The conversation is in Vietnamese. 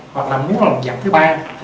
hoặc là muốn là một dạng thứ ba